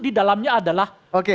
di dalamnya adalah